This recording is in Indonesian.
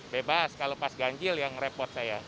bebas kalau pas ganjil yang repot saya